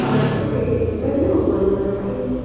Kwa hiyo wanahistoria wanatakiwa kuliweka hili sawa